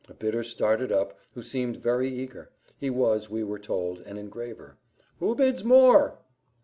A bidder started up, who seemed very eager. He was, we were told, an engraver. "Who bids more?"